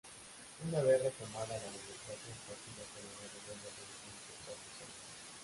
Una vez retomada la democracia el Partido Colorado vuelve a gobernar por cuatro periodos.